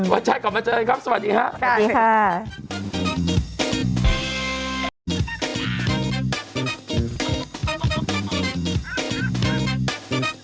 วันชั้นกลับมาเจอเลยครับสวัสดีค่ะ